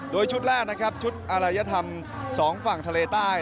โดยชุดแรกนะครับชุดอารัยธรรม๒ฝั่งทะเลใต้